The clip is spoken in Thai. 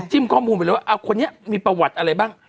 มันจิ้มข้อมูลไปเลยว่าเอาคนนี้มีประวัติอะไรบ้าง